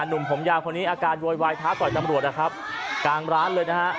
หนุ่มผมยาวคนนี้อาการโวยวายท้าต่อยตำรวจนะครับกลางร้านเลยนะฮะ